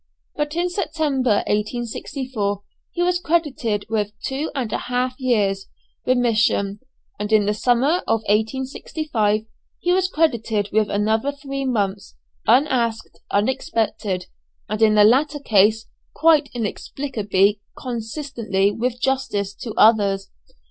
But, in September, 1864, he was credited with two and a half years' remission, and in the summer of 1865 he was credited with another three months, unasked, unexpected, and in the latter case, quite inexplicable consistently with justice to others.